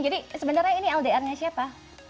jadi sebenarnya ini ldr nya siapa